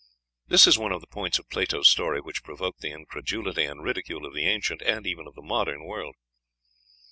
This is one of the points of Plato's story which provoked the incredulity and ridicule of the ancient, and even of the modern, world.